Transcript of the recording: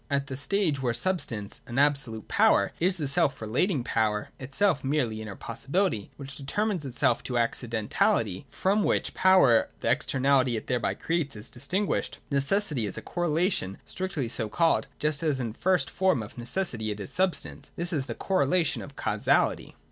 152.] At the stage, where substance, as absolute power, is the self relating power (itself a merely inner possibility) which thus determines itself to accidentality, — fromwhich power the externality it thereby creates is distinguished — necessity is a correlation strictly so called, just as in the first form of necessity, it is substance. This is the correlation of Causality.